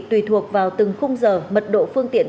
tùy thuộc vào từng khung giờ mật độ phương tiện